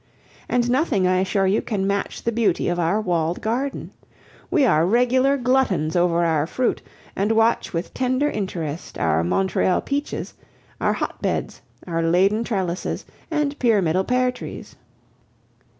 And nothing I assure you, can match the beauty of our walled garden. We are regular gluttons over our fruit, and watch with tender interest our Montreuil peaches, our hotbeds, our laden trellises, and pyramidal pear trees.